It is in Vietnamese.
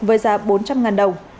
với giá bốn trăm linh đồng